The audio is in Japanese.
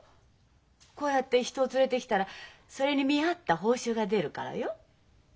こうやって人を連れてきたらそれに見合った報酬が出るからよ。